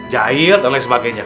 jahil dan lain sebagainya